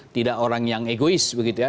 tidak orang yang egois begitu ya